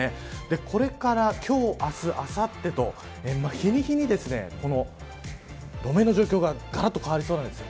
これから今日、明日、あさってと日に日に路面の状況ががらっと変わりそうです。